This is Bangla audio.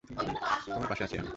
তোমার পাশে আছি আমি!